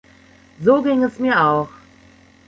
So ging es mir auch.